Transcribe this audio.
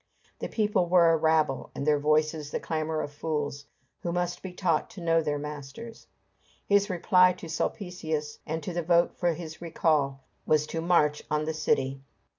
The people were a rabble, and their voices the clamor of fools, who must be taught to know their masters. His reply to Sulpicius and to the vote for his recall, was to march on the city.